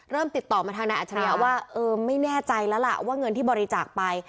ติดต่อมาทางนายอัจฉริยะว่าเออไม่แน่ใจแล้วล่ะว่าเงินที่บริจาคไป